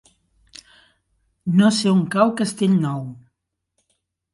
No sé on cau Castellnou.